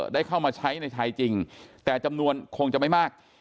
ได้เข้ามาใช้ในชายจริงแต่จำนวนคงจะไม่มาก